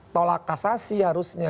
tolak kasasi harusnya